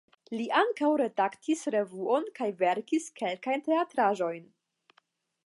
Li ankaŭ redaktis revuon kaj verkis kelkajn teatraĵojn.